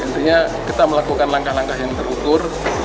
intinya kita melakukan langkah langkah yang terukur